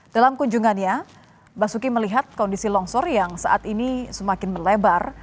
dalam kunjungannya basuki melihat kondisi longsor yang saat ini semakin melebar